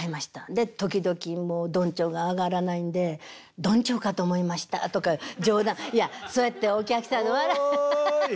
で時々「もうどんちょうが上がらないんでどんちょうかと思いました」とか冗談いやそうやってお客さんが笑って。